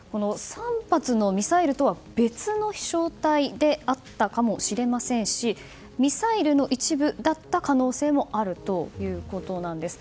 ３発のミサイルとは別の飛翔体であったかもしれませんしミサイルの一部だった可能性もあるということです。